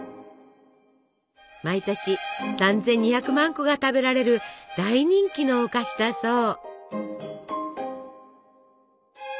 毎年３，２００万個が食べられる大人気のお菓子だそう。